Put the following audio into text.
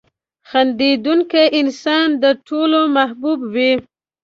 • خندېدونکی انسان د ټولو محبوب وي.